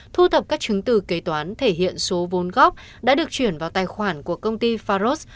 thu thập các chứng từ kế toán thể hiện số vốn góp đã được chuyển vào tài khoản của công ty faros